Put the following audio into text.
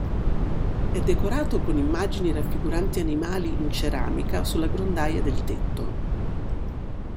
È decorato con immagini raffiguranti animali in ceramica sulla grondaia del tetto.